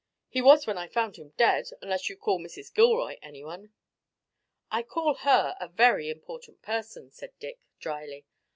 "He was when I found him dead, unless you call Mrs. Gilroy anyone." "I call her a very important person," said Dick, dryly.